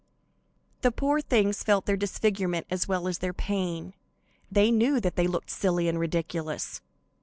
The poor things felt their disfigurement as well as their pain; they knew that they looked silly and ridiculous.